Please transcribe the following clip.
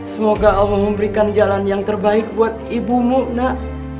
semoga allah memberikan jalan yang terbaik buat ibumu nak